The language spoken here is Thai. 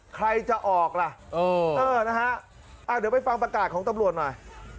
ใครจะออกล่ะเดี๋ยวไปฟังประกาศของตำรวจหน่อย